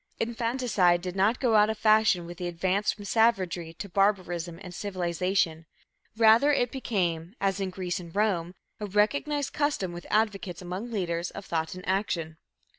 Infanticide did not go out of fashion with the advance from savagery to barbarism and civilization. Rather, it became, as in Greece and Rome, a recognized custom with advocates among leaders of thought and action.